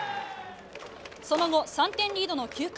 その後、３点リードの９回。